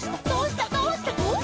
「どうした？」